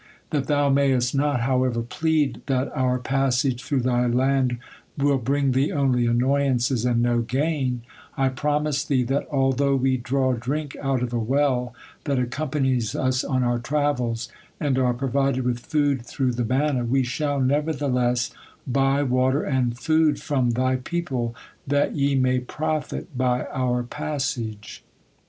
That thou mayest not, however, plead that our passage through thy land will bring thee only annoyances and no gain, I promise thee that although we draw drink out of a well that accompanies us on our travels, and are provided with food through the manna, we shall, nevertheless, by water and food from thy people, that ye may profit by our passage."